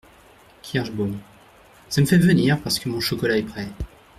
Kirschbaum. — Ca me fait venir, parce que mon chocolat est prêt.